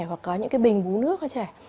hoặc có những cái bình bú nước cho trẻ